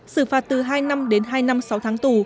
xử phạt từ hai năm đến hai năm sáu tháng tù